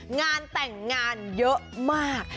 งานแต่งงานเยอะมาก